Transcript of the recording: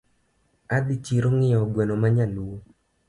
Adhi chiro ng'iewo gweno manyaluo